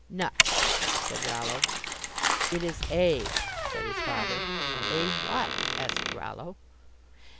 "Nuck," said Rollo. "It is A," said his father. "A what?" asked Rollo.